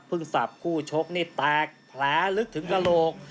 สับคู่ชกนี่แตกแผลลึกถึงกระโหลก